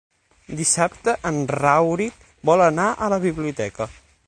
Dissabte en Rauric vol anar a la biblioteca.